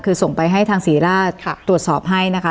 คือส่งไปให้ทางศรีราชตรวจสอบให้นะคะ